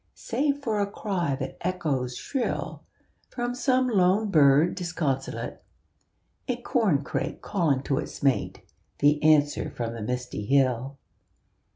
Save for a cry that echoes shrill From some lone bird disconsolate; A corncrake calling to its mate; The answer from the misty hill.